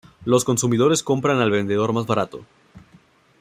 Los consumidores compran al vendedor más barato.